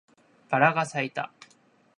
バラが咲いた